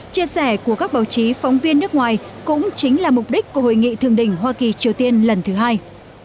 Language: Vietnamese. chia sẻ của các báo chí phóng viên nước ngoài cũng chính là mục đích của hội nghị thường đỉnh hoa kỳ triều tiên lần thứ hai